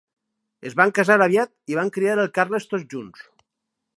Es van casar aviat i van criar el Carles tots junts.